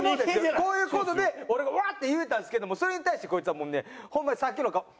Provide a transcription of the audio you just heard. こういう事で俺がうわー！って言うたんですけどもそれに対してこいつはもうねホンマにさっきの顔。